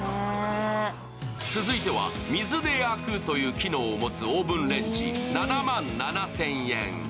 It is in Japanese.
続いては水で焼くという機能を持つオーブンレンジ７万７０００円。